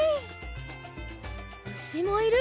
うしもいる！